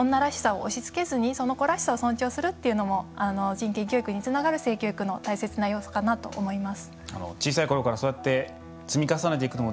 あと男らしさ女らしさを押しつけずにその子らしさを尊重するっていうのも人権教育につながる大切な要素かなと思います。